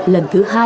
lần thứ hai